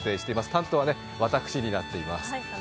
担当は私になっています。